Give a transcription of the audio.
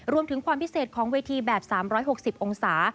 รวมถึงความพิเศษของเวทีแบบ๓๖๐องศา